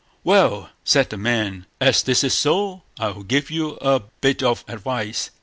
"Well!" said the man, "as this is so, I'll give you a bit of advice.